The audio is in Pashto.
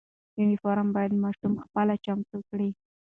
یونیفرم باید ماشوم خپله چمتو کړي.